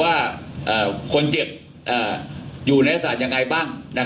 ว่าคนเจ็บอยู่ในอาศัยยังไงบ้าง